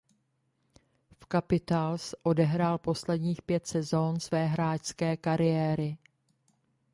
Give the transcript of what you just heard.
V Capitals odehrál posledních pět sezón své hráčské kariéry.